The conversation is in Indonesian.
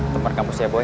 tempat kampusnya boy